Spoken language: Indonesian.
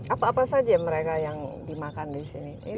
apa apa saja mereka yang dimakan di sini